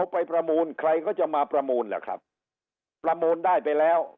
ไปประมูลใครก็จะมาประมูลล่ะครับประมูลได้ไปแล้ว